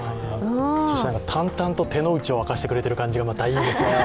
そして淡々と手の内を明かしてくれている感じがいいですね。